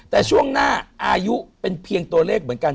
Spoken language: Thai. แต่ช่วงหน้าอายุเป็นเพียงตัวเลขเหมือนกัน